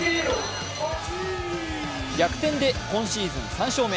逆転で今シーズン３勝目。